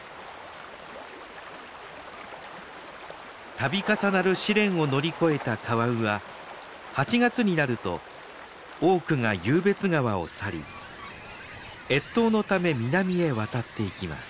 たび重なる試練を乗り越えたカワウは８月になると多くが湧別川を去り越冬のため南へ渡っていきます。